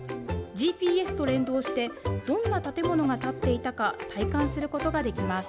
ＧＰＳと連動して、どんな建物が建っていたか、体感することができます。